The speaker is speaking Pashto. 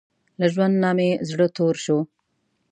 له ژوند نۀ مې زړه تور شو